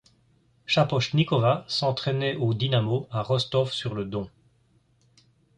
Shaposhnikova s'entraînait au Dynamo à Rostov-sur-le-Don.